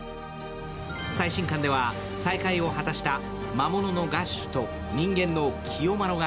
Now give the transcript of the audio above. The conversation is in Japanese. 最新巻では再会を果たした魔物のガッシュと人間の清麿が